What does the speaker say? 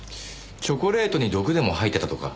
チョコレートに毒でも入ってたとか？